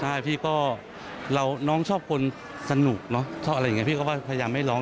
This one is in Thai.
ใช่พี่ก็เราน้องชอบคนสนุกเนอะชอบอะไรอย่างนี้พี่ก็พยายามไม่ร้อง